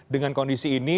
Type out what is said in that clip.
dengan kondisi ini